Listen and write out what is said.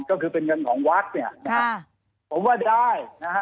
ก็คือเป็นเงินของวัดเนี่ยนะครับผมว่าได้นะฮะ